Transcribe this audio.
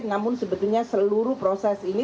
namun sebetulnya seluruh proses ini